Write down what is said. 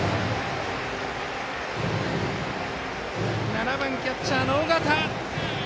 ７番キャッチャーの尾形！